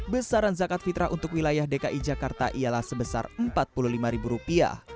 besaran zakat fitrah untuk wilayah dki jakarta ialah sebesar rp empat puluh lima